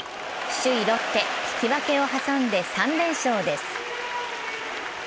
首位ロッテ、引き分けを挟んで３連勝です。